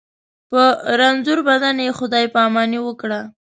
په رنځور بدن یې خدای پاماني وکړه.